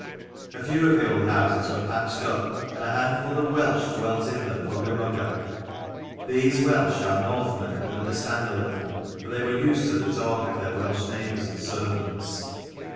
A few of the old houses were patched up, and a handful of Welsh dwelt in them hugger mugger. These Welsh our Northmen could understand a little, for they were used to the talk of their Welsh neighbours and servants.